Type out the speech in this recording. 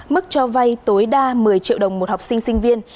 mức cho vay tối đa một mươi triệu đồng một học sinh sinh viên